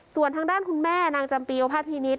ส่วนทางด้านคุณแม่นางจำปีโอภาษพินิษฐ